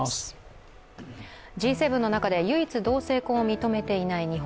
Ｇ７の中で唯一同性婚を認めていない日本。